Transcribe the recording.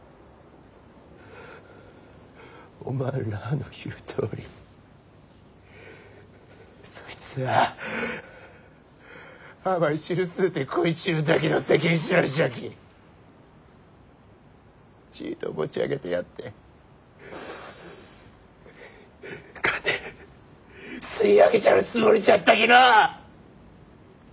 おまんらあの言うとおりそいつは甘い汁吸うて肥えちゅうだけの世間知らずじゃきちいと持ち上げてやって金吸い上げちゃるつもりじゃったきのう！